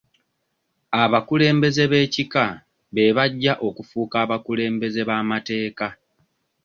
Abakulembeze b'ekika be bajja okufuuka abakulembeze amateeka.